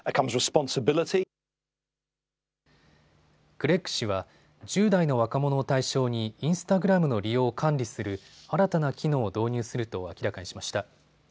クレッグ氏は１０代の若者を対象にインスタグラムの利用を管理する新たな機能を導入すると明らかにしました。